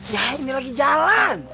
ya ini lagi jalan